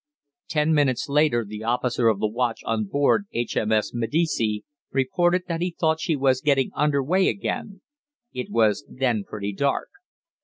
Ten minutes later the officer of the watch on board H.M.S. 'Medici' reported that he thought she was getting under way again. It was then pretty dark.